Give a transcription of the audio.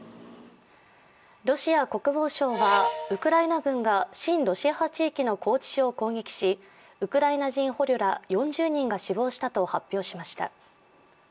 ロシア国防省はウクライナ軍が親ロシア派地域の拘置所を攻撃し、ウクライナ人捕虜ら４０人が死亡したと発表しました。